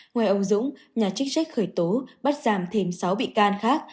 ngoài ông dũng nhà chức trách khởi tố bắt giam thêm sáu bị can khác